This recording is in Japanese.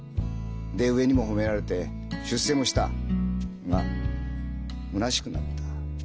で上にも褒められて出世もした。がむなしくなった。